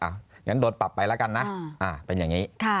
งั้นโดนปรับไปแล้วกันนะเป็นอย่างนี้